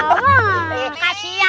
layam ak russia